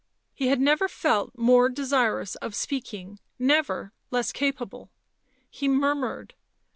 He had never felt more desirous of speaking, never less capable; he murmured.